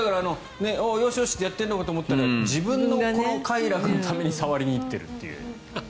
よしよしとやっているのかと思ったら自分の快楽のために触りに行っているという。